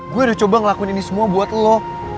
gue udah coba ngelakuin ini semua buat lo